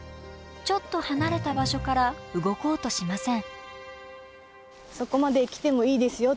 ちょっと離れた場所から動こうとしません。